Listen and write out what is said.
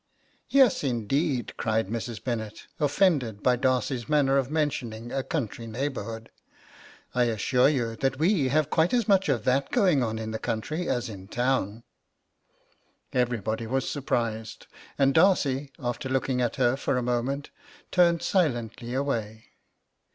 'Yes, indeed,' cried Mrs. Bennet, offended by Darcy's manner of mentioning a country neighbourhood; 'I assure you that we have quite as much of that going on in the country as in town.' 'Everybody was surprised, and Darcy, after looking at her for a moment, turned silently away.